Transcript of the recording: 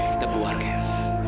kita keluar gail